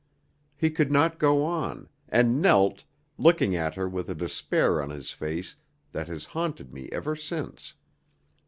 He could not go on, and knelt, looking at her with a despair on his face that has haunted me ever since.